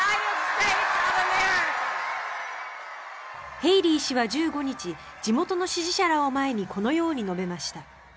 ヘイリー氏は１５日に地元の支持者らを前にこのように述べました。